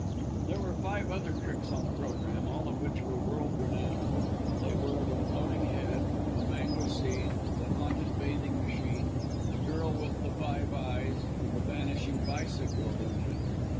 There were five other tricks on the programme all of which were world renowned. They were "The Floating Head"; "The Mango Seed"; "The Haunted Bathing machine," "The Girl with the Five Eyes," and "The Vanishing Bicycle" illusion.